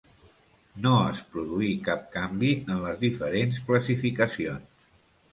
No es produí cap canvi en les diferents classificacions.